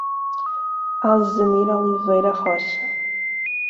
Alzenir Oliveira Rocha